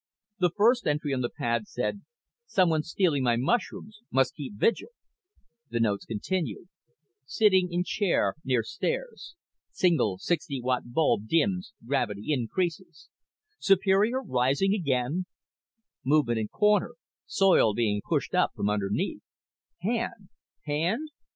The first entry on the pad said: Someone stealing my mushrooms; must keep vigil. The notes continued: _Sitting in chair near stairs. Single 60 w. bulb dims, gravity increases. Superior rising again? Movement in corner soil being pushed up from underneath. Hand. Hand?